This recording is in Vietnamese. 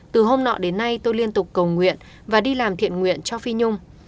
từ hôm nọ đến nay tôi liên tục cầu nguyện và đi làm thiện nguyện cho phi nhung